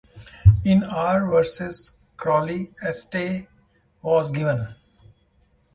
In R versus Crawley a stay was given.